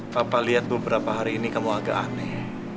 papa lihat beberapa hari ini kamu agak aneh